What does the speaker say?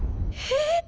えっ。